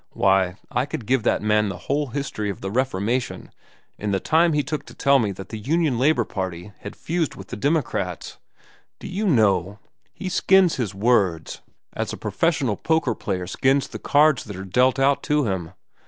Why, I could give that man the whole history of the Reformation in the time he took to tell me that the Union Labor Party had fused with the Democrats. Do you know, he skins his words as a professional poker player skins the cards that are dealt out to him.